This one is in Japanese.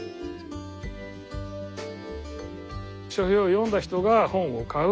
書評を読んだ人が本を買う。